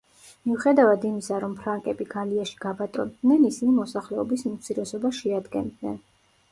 მიუხედავად იმისა, რომ ფრანკები გალიაში გაბატონდნენ, ისინი მოსახლეობის უმცირესობას შეადგენდნენ.